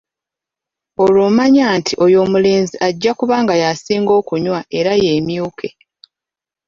Olwo omanya nti n'oyo omulenzi ajja kuba nga yasinga okunywa era yeemyuke.